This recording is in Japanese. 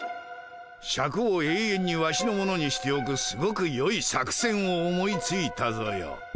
シャクを永遠にワシのものにしておくすごくよい作戦を思いついたぞよ。